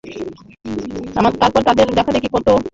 তারপর তাদের দেখাদেখি কত গেরস্ত এই মহাকার্যে সহায় হবে।